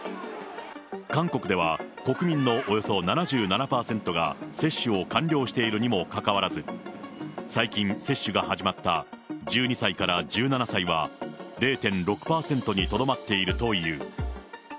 韓国では、国民のおよそ７７％が接種を完了しているにもかかわらず、最近、接種が始まった１２歳から１７歳は０．６％にとどまっているという。